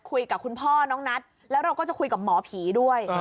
คุยกับคุณพ่อน้องนัทแล้วเราก็จะคุยกับหมอผีด้วย